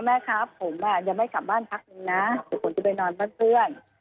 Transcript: แม่ครับผมยังไม่กลับบ้านพักนึงนะเดี๋ยวผมจะไปนอนบ้านเพื่อน